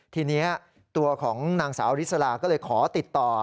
ทีนี้ตัวของนางสาวริสลาก็เลยขอติดต่อ